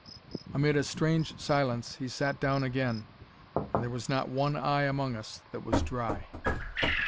Amid a strange silence he sat down again, and there was not an eye among us that was dry.